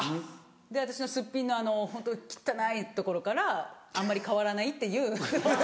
私のスッピンのホント汚いところからあんまり変わらないっていう。